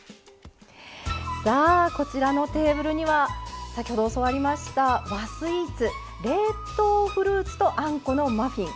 さあこちらのテーブルには先ほど教わりました和スイーツ冷凍フルーツとあんこのマフィン。